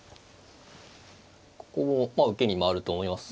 ここもまあ受けに回ると思いますが。